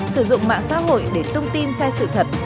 sử dụng mạng xã hội để tung tin xe sự thật